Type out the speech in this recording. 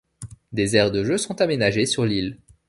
Des aires de jeu sont aménagées sur l'île.